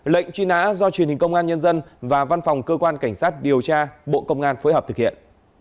lệnh truy nã do truyền hình công an nhân dân và văn phòng cơ quan cảnh sát điều tra bộ công an phối hợp thực hiện